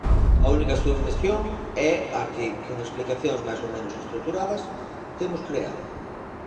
A única submisión é a que, con explicacións máis ou menos estruturadas, temos creado.